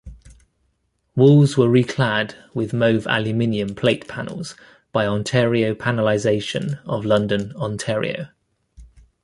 Walls were reclad with mauve aluminum plate panels by Ontario Panelization of London, Ontario.